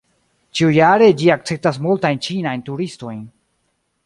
Ĉiujare ĝi akceptas multajn ĉinajn turistojn.